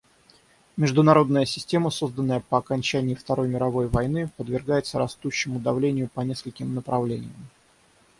Международная система, созданная по окончании Второй мировой войны, подвергается растущему давлению по нескольким направлениям.